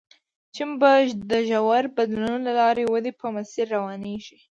چین به د ژورو بدلونونو له لارې ودې په مسیر روانېږي.